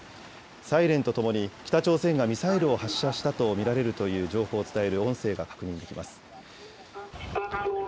サイレンとともに北朝鮮がミサイルを発射したと見られるという情報を伝える音声が確認できます。